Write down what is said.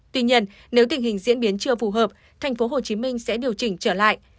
tuy nhiên nếu tình hình diễn biến chưa phù hợp tp hcm sẽ điều chỉnh trở lại